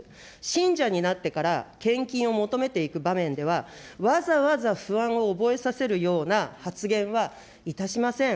信者になってから献金を求めていく場面では、わざわざ不安を覚えさせるような発言はいたしません。